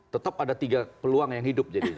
tetap ada tiga peluang yang hidup jadi